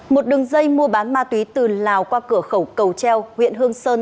một đường dây mua bán ma túy từ lào qua cửa khẩu cầu treo huyện hương sơn